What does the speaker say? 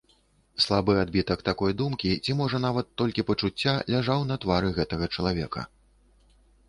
Слабы адбітак такой думкі, ці можа нават толькі пачуцця, ляжаў на твары гэтага чалавека.